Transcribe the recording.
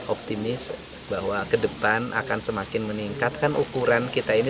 optimis bahwa ke depan akan semakin meningkat kan ukuran kita ini